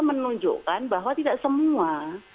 menunjukkan bahwa tidak semua